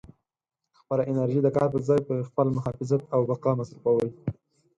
خپله انرژي د کار په ځای پر خپل محافظت او بقا مصروفوئ.